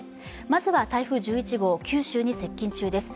まずは台風１１号、九州に接近中です